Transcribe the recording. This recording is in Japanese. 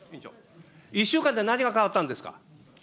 １週間で何が変わったんですか。